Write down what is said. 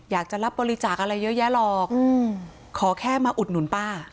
อยากจะรับบริจาคอะไรเยอะแยะหรอกขอแค่มาอุดหนุนป้า